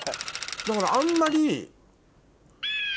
だからあんまり。